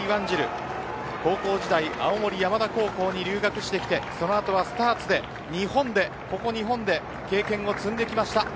高校時代、青森山田高校に入学してきてその後はスターツでここ日本で経験を積んできました。